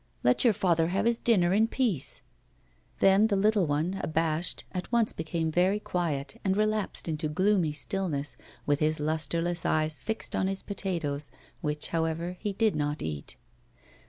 'Let your father have his dinner in peace.' Then the little one, abashed, at once became very quiet, and relapsed into gloomy stillness, with his lustreless eyes fixed on his potatoes, which, however, he did not eat.